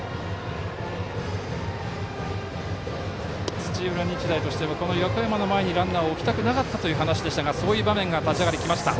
土浦日大としては横山の前にランナーを置きたくなかったという話でしたがそういう場面が立ち上がりにきました。